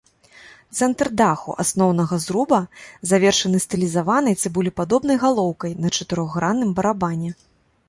Цэнтр даху асноўнага зруба завершаны стылізаванай цыбулепадобнай галоўкай на чатырохгранным барабане.